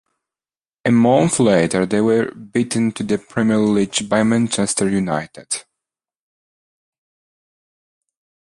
A month later they were beaten to the Premier League by Manchester United.